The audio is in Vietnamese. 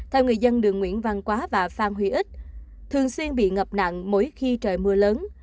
theo người dân đường nguyễn văn quá và phan huy ích thường xuyên bị ngập nặng mỗi khi trời mưa lớn